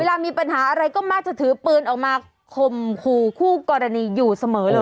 เวลามีปัญหาอะไรก็มักจะถือปืนออกมาข่มขู่คู่กรณีอยู่เสมอเลย